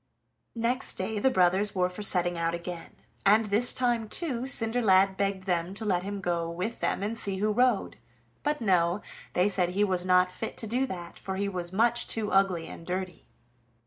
Next day the brothers were for setting out again, and this time too Cinderlad begged them to let him go with them and see who rode; but no, they said he was not fit to do that, for he was much too ugly and dirty.